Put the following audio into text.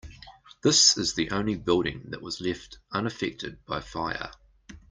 This is the only building that was left unaffected by fire.